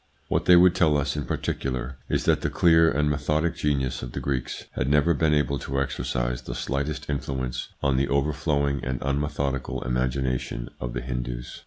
What they would tell us in particular is that the clear and methodic genius of the Greeks had never been able to exercise the slightest influence on the overflowing and unmethodical imagi nation of the Hindus.